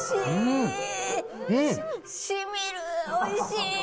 おいしい！